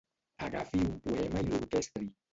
Agafi un poema i l'orquestri.